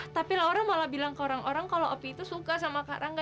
tapi laura malah bilang ke orang orang kalau opi itu suka sama karangga